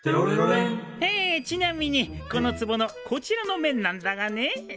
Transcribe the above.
えちなみにこのつぼのこちらの面なんだがねえ